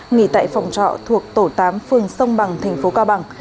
nghỉ tại phòng trọ thuộc tổ tám phương sông bằng tp cao bằng